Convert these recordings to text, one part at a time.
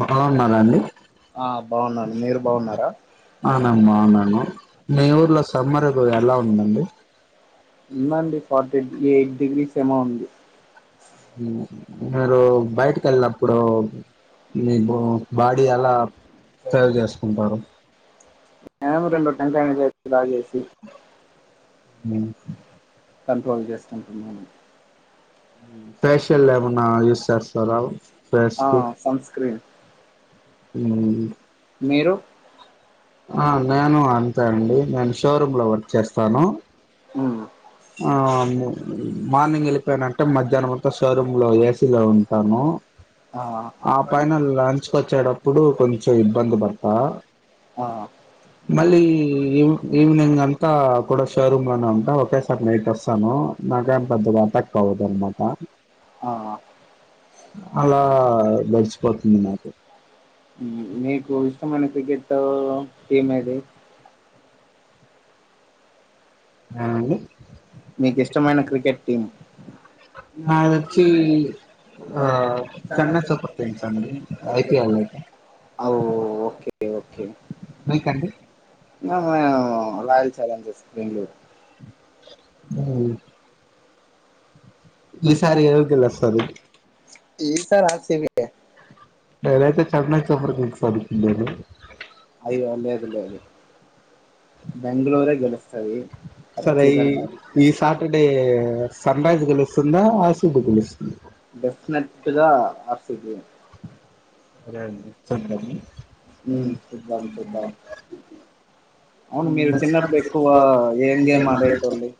బాగుంన్నార అండి ఆ బాగున్నాను మీరు బాగున్నారా బాగున్నాను బాగున్నాను మీ ఊర్లో సమ్మరు గు ఎలా ఉందండి ఉందండి ఫార్టీ ఎయిట్ డిగ్రీస్ ఏమో ఉంది మీరు బైట్ కేలినప్పుడు మీ బో మ్ బాడీ అలా సేవ్ చేసుకుంటారు [inaudible] బాగ్ చేసి కంట్రోల్ చేస్కుంటున్నాను ఫేషల్ ఎవన్నా యూస్ సేస్తారా ఆ ఫేస్కి సన్ స్క్రీన్ మ్మ్ మీరు ఆ నేను అంతే అండి నేను షోరూమ్లో వర్క్ చేస్తాను మ్ ఆవ్ను మార్నింగేళ్ళిపోయానంటే మధ్యాహ్నం అంతా షోరూమ్లో ఏసీలో ఉంటాను ఆ ఆ పైన లంచ్కోచ్చేటప్పుడు కొంచెం ఇబ్బంది పడుతా ఆ మళ్ళీ ఈవ్ ఈవనింగ్ అంతా కూడా షోరూమ్లోనే ఉంటా ఒకే స నైట్ వస్తాను నాకే పెద్ద ఏఫెక్ట్ అవ్వదన్నమాట ఆ అలా గడిచ్పోతుంది నాకు మీకు ఇష్టమైన క్రికెటు ఎమది ఆ అండి మీకీష్టమైన క్రికెట్ టీమ్ నా దోచ్చీ ఆ చెన్నై సూపర్ టీమ్స్ అండి ఐపిల్ అవ్ ఓకే ఓకే మీకండి ఆ మీము రాయల్ చాలెంజెర్స్ బెంగళూరు మ్ ఈసారి ఎవరు గేలుస్తారు ఈసారి ఆర్సిబి యే లేేదంతే చెన్నై సూపర్ కింగ్స్ [unintelligible] అయ్యో లేదు లేదు బెంగళూరే గెలుస్తది సరే ఖచ్చితంగా ఈ సాటర్డే సన్ రైజ్ గెలుస్తుందా ఆర్సీబి గెలుస్తుందా డెఫినెట్గా ఆర్సీబి యే సరే అండి చూద్దాం మ్ చుద్దాం చుద్దాం [inaudible] ఏం గేమ్ ఆడేటోళ్ళు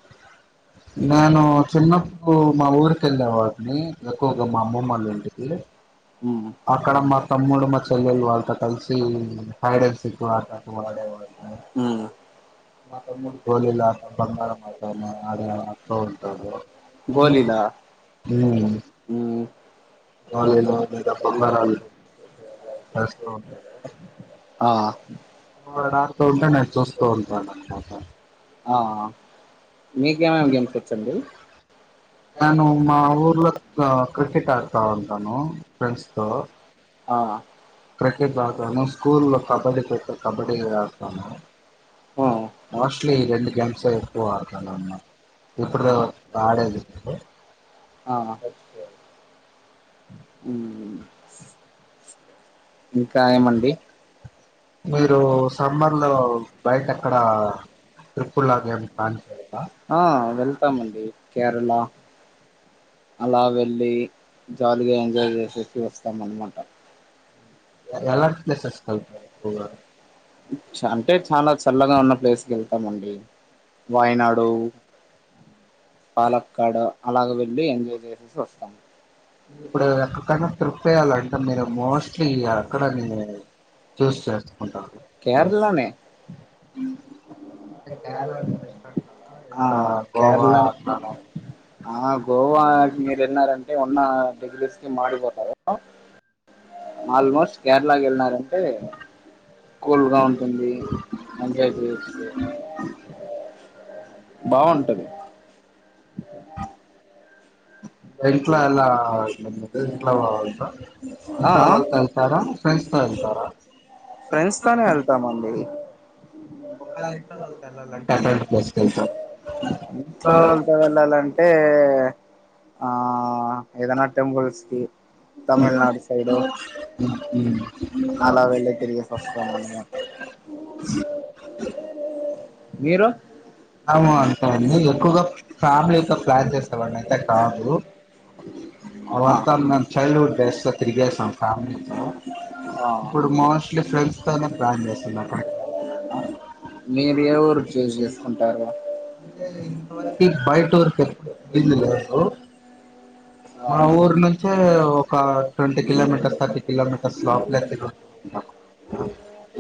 నేను చిన్నప్పుడు మా ఊరికేళ్ళే వాడిని ఎక్కువగా మా అమ్మమ్మళ్ళింటికి ఉమ్ అక్కడ మా తమ్ముడు మా చెల్లెళ్ళు వాళ్ళతో కలిసి హైడెన్ సిక్ వాడేవాళ్ళం ఆ మా తమ్ముడు గోలీ [unintelligible] బొంగరం [unintelligible] ఉంటడు గోలీలా ఉమ్ ఉమ్ అలేదఅలేద బంగారాన్ని తెస్తాం ఆఅ మిరాడ్తుండండి నేను చూస్తూ ఉంటాను అంటున్నా ఆహ మీకేమేమి గేమ్స్ ఓచ్చండి? నేను మా ఊర్లో అ క్రికెట్ ఆడుతా ఉంటాను ఫ్రెంఫ్స్ తో ఆ క్రికెట్ ఆడుతాను స్కూల్లో కబడ్డీ కోకో కబడ్డీ ఆడుతాను ఆ మోస్ట్లీ రెండు గేమ్స్ ఏ ఎక్కువ ఆడుతా అన్నమాట ఇప్పుడు ఆడేది ఆహ మ్ ఇంకా ఎం అండి మీరు సమ్మర్ లో బయట అక్కడ ఆ వెళ్ళ్తామ్ అండి కేరళ అలా వెళ్ళి జాలీగా ఎంజాయ్ చేసేసి వస్తాం అనమాట. ఎలాటి ప్లేసెస్ కి వెళ్తారు పోయిరాన్ అంటే చానా చల్లగా ఉన్న ప్లేసెస్ వెళ్తా వెళ్లుతా అండి వాయనాడు, పాలక్కడ అలాగ వెళ్ళి ఎంజాయ్ చేసేసి వస్తా ఇప్పుడు ఎక్కకన్నా ట్రిప్ ఏయాలి అంటే మీరు మోస్ట్లీ అక్కడని షూస్ చేసుకుంటాను కేరళనే అంటే కేరళ ప్రిస్ట్ అన్న ఆ అట్లా గోవా కేరళ అట్లన ఆ గోవా మీరు వెళ్ళినారంటే ఉన్న డిగ్రీస్ కి మాడిపోతారు. ఆల్మోస్ట్ కేరళ కి వెళ్లినారంటే కూల్ గా ఉంటుంది. ఎంజాయ్ చేయొచ్చు. బావుంటది ఇంట్లో లా ఇంట్లో వాళ్ళతో ఆ ఇంట్లో వాళ్ళతో వెళ్తారా, ఫ్రెండ్స్ తో వెల్ తారా ఫ్రెండ్స్ తోనే వెళ్ళ్తామ్ అండి ఒకళ్ళ ఇంట్లా వాళ్ళతో ఎల్లాలి అంటే అలాంటి ప్లేస్ కి వెళ్తాం ఇంట్లో వాళ్ళతో వెళ్ళాలి అంటే ఆ ఏదన్నా టెంపుల్స్ కి తమిళనాడు సైడు అలా వెళ్ళి తిరిగేసి వస్తాం అన్నమాట మీరు? అవు అంతే అండి ఎక్కువగా ఫ్యామిలీ తో ప్లాన్ చేస్తామని అయితే కాదు. ఆ అవుంత మేం చైల్డ్హుడ్ డేస్ తిరిగేషం ఫ్యామిలీ తో ఆ ఇప్పుడు మోస్ట్లీ ఫ్రెండ్స్ తోనే ప్లాన్ చేస్తున్నాం అండి మీరు అ ఏ ఊరు చూస్ చేసుకుంటారా అంటే ఇంతవరకు బయట తోరి తో ఎప్పుడు పోయింది లేదు ఆ మా ఊరు నుంచే ఒక ట్వంటీ కిలోమీటర్స్, థర్టీ కిలోమీటర్స్ లోపలే మాకు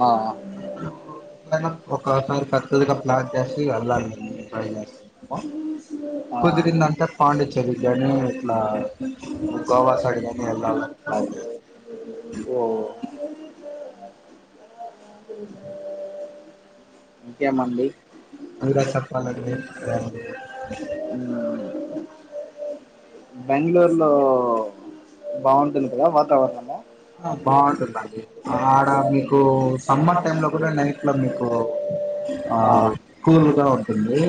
ఆహ్ ఇప్పుడు అవ్వు ఎంతయినా ఒకసారి కరెక్ట్ గా ప్లాన్ చేసి వెళ్ళాలం ట్రై చేస్తాము. ఆ కుదిరిందంతా పాండిచెర్లనే ఆహ్ గోవా సైడ్ గాని వెళదామని ట్రై చేసినమ్ ఓ ఇంకేం అండి మీరే చెప్పాలి ఉండి ఏమన బెంగళూరు లో బాగుంటుంది కదా వాతావరణము ఆ బాగుంటుంది అండి ఆడ మీకు సమ్మర్ టైమ్ లో కూడా నైట్ లో మీకు ఆ ఆవ్ కూల్ గా ఉంటుంది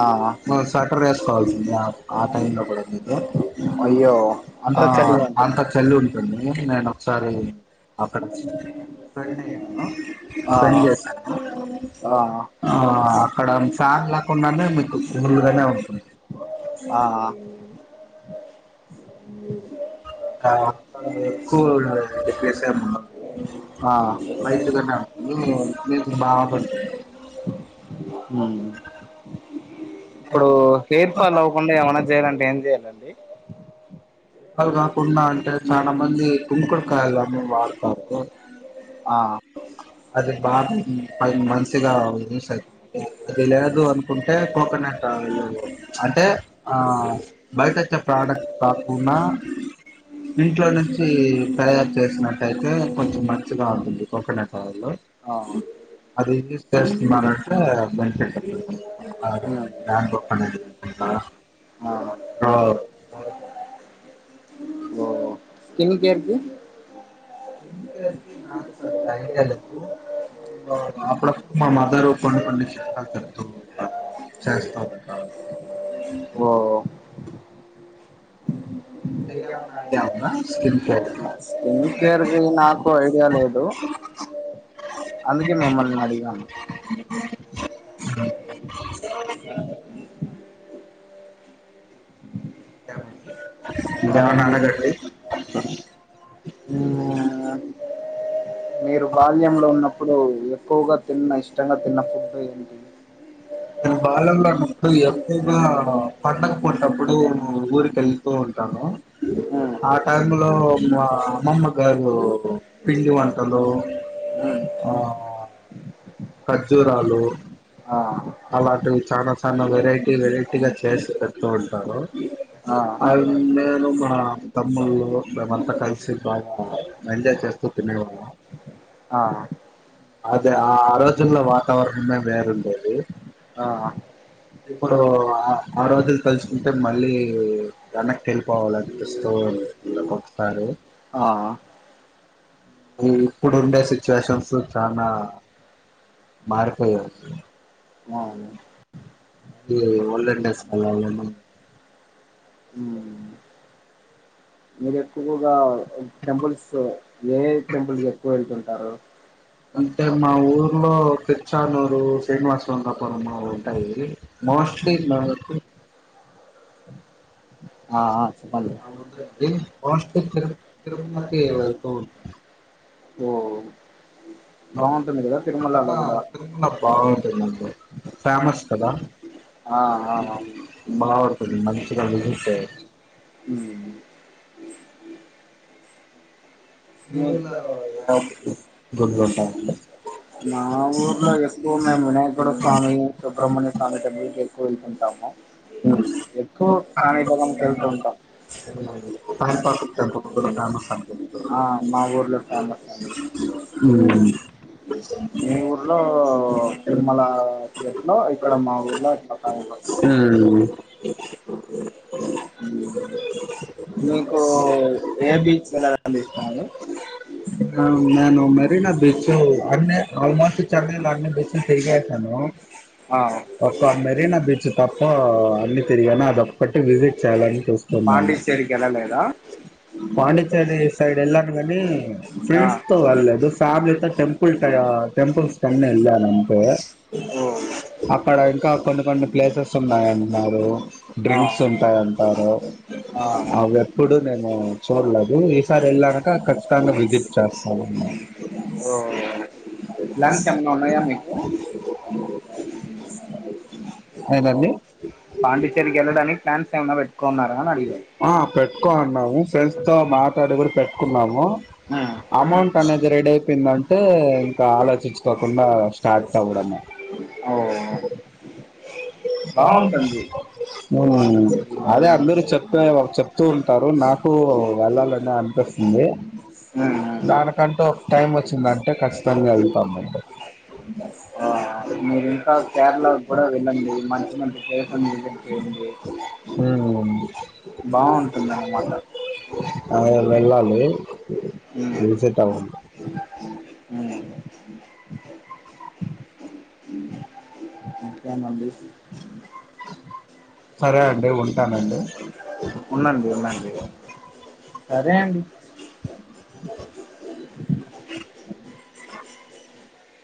ఆ మరి స్వీటర్ వేసుకోవాల్సింది ఆ టైం లో కూడా మీరు అయ్యో ఆ అంతా చలిగా ఉంటుంది అంత చల్లి ఉంటుంది నేను సరే అక్కడ ఫ్రెండ్ అయ్యాను ఆ ఫ్రెండ్ చేశాను ఆ ఆ అక్కడ ఫ్యాన్ లేకుండానే మీకు కూల్ గానే ఉంటుంది ఆహా ఆ అక్కడ ఎక్కువు ప్లేస్ ఎం ఉండదు ఆ లైట్ గానే ఉంటుంది మీకు బాగుంటుంది హ్మ్ ఇప్పుడు హెయిర్ ఫాల్ అవ్వకుండా ఏమన చేయాలంటే ఏం చెయాలండి లు కాకుండా అంటే చాలా మంది కుంకుడు కాయలు అని వాడ్తారు ఆ అది బాగా ఫైవ్ మంత్స్ గా యూస్ చేస్తున్న అది లేదు అనుకుంటే కోకోనట్ ఆయిల్ టె ఆ బయట వచ్చే ప్రోడక్ట్ ప్ర న్న ఇంట్లో నుంచి తయారు చేసినట్టయితే కొంచమ్ చ్చుగా ఉంటుంది కోకోనట్ ఆయిలు ఆ అది యూస్ చేస్తున్నరంటే బెనిఫిట్ మ్మ్ [inaudible] ఔ ఓఓ స్కిన్ కేర్ కి స్కిన్ కేర్ కి నాకు కూడా అంత ఐడియా లేదు సో అప్పుడపుడు మా మదరు కొన్ని కొన్ని చిట్కాలు చెప్తుంటారు చేస్తుంటారు మీకు మీకేమన్నా ఏమన్నా ఐడియా ఉందా స్కిన్ కేర్ ఉందా స్కిన్ కేర్ కు నాకు ఐడియా లేదు అందుకే మిమ్మల్ని అడిగాము [inaudible] ఇంకేమన చెప్పాలండి అడగండి [inaudible] మ్మ్ మీరు బాల్యంలో ఉన్నప్పుడు ఎక్కువగా తిన్న ఇష్టంగా తిన్న ఫుడ్ ఏంటి? నేను బాల్యంలో ఉన్నపుడు ఎక్కువగా పండగపూట అప్పుడు ఊరుకి వెళ్తు ఉ ఉంటాను మ్మ్ ఆ టైంలొ ఇంగ అమ్మమ్మగారు పిండివంటలు మ్మ్ ఆ ఖర్జురాలు ఆ అలాంటివి చనా చనా వెరైటీ వెరైటీగా చేసి పెడుతూ ఉంటారు. ఆ అన్ మేము మా తమ్ములు మేమ్ అంతా కలిసి బాగా ఎంజాయ్ చేస్తూ చిన్నగాఉన్నాం ఆ అద ఆ ఆ రోజుల్లో వాతావరణమే వేరుండేది ఆ ఇప్పుడు ఆ రోజులు తలుచుకుంటే మళ్ళీ వెనక్కి వెళ్లిపోవాలి అనిపిస్తు ఇల ఒకసారి ఆ ఇప్పుడు ఉండే సిచ్యువేషన్స్ చానా మారిపోయాయి అవును ఇ ఓల్డెన్డేస్ కి వెళ్లన్ని అని ఉంది హ్మ్ మీరు ఎక్కువగా టెంపుల్స్ ఏ ఏ టెంపుల్ కి ఎక్కువ వెళ్తుంటారు. అంటే మా వొర్లో తిర్చానూరు శ్రీనివాసవంగాపురము ఉంటాయి మోస్టలీ మనకు ఆ ఆ [unintelligible] చెప్పండి తిరు తిరుమలకి వెళ్తూ ఉం ఓ బాగుంటుంది కదా అక్కడ తిరుమలలో కూడా తిరుమల బావుంటుంది అండి ఫేమస్ కదా ఆ ఆ బావుంటది మంచిగా పిలిస్తే ఉమ్. మీ ఊర్లో ఎలా గుళ్ళు ఉంటాయండి [unintelligible] మా ఊర్లో ఎక్కువ మేము వినాయకుడి స్వామి సుబ్రమణ్ ణ్య స్వామి టెంపుల్ కి ఎక్కువ వెళ్తుంటాము ఎక్కువ కానిపాకానికి వెళ్తూ ఉంటాం కాణిపాక్ టెంపుల్ [unintelligible] ఆ మాఊర్లో ఫేమస్ అండి ఉమ్, మీ ఊర్లో తిరుమలా పెట్లో ఇక్కడ మా ఊర్లో అట్ల హ్మ్మ్ ఉమ్ మీకూ ఏ బీచ్కి వెళ్ళాలంటే ఇష్టమండి ఆ నేను మెరినా బీచ్ అన్ని ఆల్మోస్ట్ చెన్నై లో అన్ని బీచ్లు తీరిగేసాను ఆ ఒక్క మెరినా బీచ్ తప్ప అన్ని తిరిగను అదొక్ క్కటి విజిట్ చేయాలని చూస్తున్నాను పాండిచ్చేరికి వెళ్ళలేదా పాండిచ్చేర్రి సైడ్ ఎళ్ళను గనీ ఆ ఫ్రెండ్స్ తో వెళ్లేదు ఫ్యామిలీతో టెంపుల్ట ఆ టెంపుల్స్ కన్నెళ్ళాననుకో ఓ అక్కడ ఇంకా కొన్ని కొన్ని ప్లేసెస్ ఉన్నాయి అన్నారు ఆ డ్రింక్స్ ఉంటాయి అంటారు ఆ అవి ఎప్పుడు నేను చూడలేదు ఈసారి వెళ్ళా క ఖచ్చితంగా విజిట్ చేస్తాను ఓ ప్లాన్స్ ఏమైనా ఉన్నాయా మీకు ఎందండి పాండిచ్చేర్రి కెళ్ళడానికి ప్లాన్స్ ఏమైనా పెట్ ఆ పెట్టుకోన్నాము ఫ్రెండ్స్ తో మాట్లాడి గూడా పెట్టుకున్నాము అమౌంట్ అనేది రెడి అయిపోయిందంటే ఇంకా ఆలోచించుకోకుండా స్టార్ట్ అవ్వడమె బావన్ హ్మ్ అదే అందరు తొ చెప్తూ ఉంటారు నాకు వెళ్ళాలని అనిపిస్తుంది దానికంటు ఒక టైం వచ్చిందంటే ఖచ్చితంగా వెళ్తామండి ఆ మీరు ఇంకా కేరళ గూడ వెళ్ళండి మంచి మంచి ప్లేస్ లన్ని విజిట్ చేయండి ఉమ్ బావుంటుంది అనమాట అదె వెళ్ళాలీ ఉమ్, ఇల్లు సెట్ అవ్ ఉమ్. ఇంకేమండి సరే అండి ఉండండి ఉండండి సరే అ